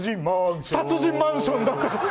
殺人マンションだった。